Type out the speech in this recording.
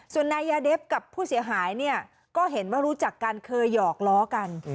ส่วนนายยาเดฟกับผู้เสียหายเนี่ยก็เห็นว่ารู้จักกันเคยหยอกล้อกัน